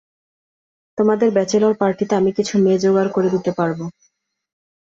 তোমাদের ব্যাচেলর পার্টিতে আমি কিছু মেয়ে জোগাড় করে দিতে পারবো।